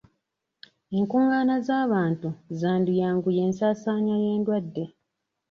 Enkungaana z'abantu zandiyanguya ensaasaana y'endwadde.